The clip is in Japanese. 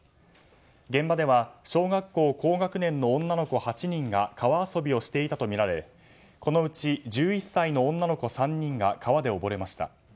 現場では小学校高学年の女の子８人が川遊びをしていたとみられそのうち１１歳の女の子３人が川で溺れました。